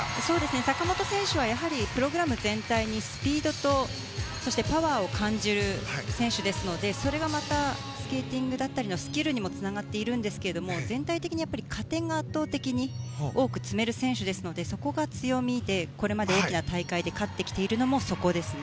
坂本選手はやはりプログラム全体にスピードと、そしてパワーを感じる選手ですのでそれがまたスケーティングだったりのスキルにもつながっているんですが全体的に加点が圧倒的に多く積める選手ですのでそこが強みでこれまで大きな大会で勝ってきているのもそこですね。